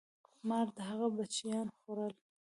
مار د هغه بچیان خوړل.